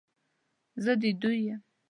زه د دوی یم،